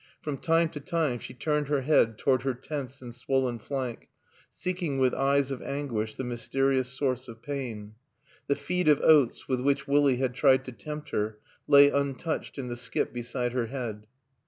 From time to time she turned her head toward her tense and swollen flank, seeking with eyes of anguish the mysterious source of pain. The feed of oats with which Willie had tried to tempt her lay untouched in the skip beside her head.